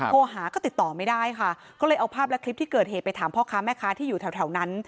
โทรหาก็ติดต่อไม่ได้ค่ะก็เลยเอาภาพและคลิปที่เกิดเหตุไปถามพ่อค้าแม่ค้าที่อยู่แถวนั้น